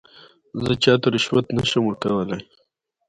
زه چاته رشوت نه شم ورکولای.